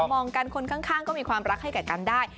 มองกันคนข้างก็มีความรักให้แก่กันได้